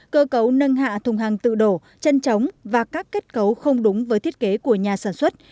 cơ cấu nâng hạ thùng hàng tự đổ chân trống và các kết cấu không đúng với thiết kế của nhà sản xuất